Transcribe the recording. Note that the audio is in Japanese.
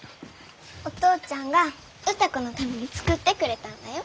お父ちゃんが歌子のために作ってくれたんだよ。